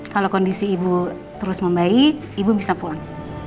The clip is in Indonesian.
kalau kondisi ibu terus membaik ibu bisa pulang